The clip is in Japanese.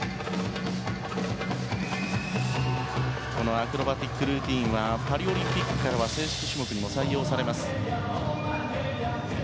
アクロバティックルーティンはパリオリンピックからは正式種目にも採用されます。